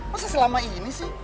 masa selama ini sih